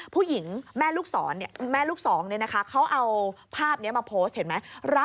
ผู้หญิงแม่ลูกสองเนี่ยเขาเอาภาพนี้มาโพสต์เห็นไหม